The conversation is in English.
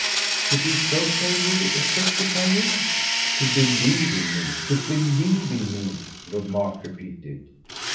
"To be so favourably affected by you ?" "To believe in me. To believe in me," Lord Mark repeated.